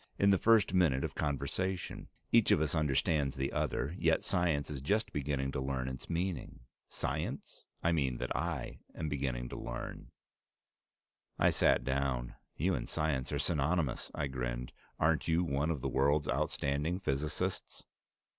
in the first minute of conversation; each of us understands the other, yet science is just beginning to learn its meaning. Science? I mean that I am beginning to learn." I sat down. "You and science are synonymous," I grinned. "Aren't you one of the world's outstanding physicists?"